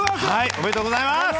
おめでとうございます。